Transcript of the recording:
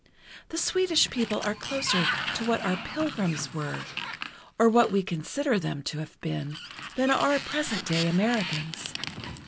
The Swedish people are closer to what our Pilgrims were, or what we consider them to have been, than our present day Americans.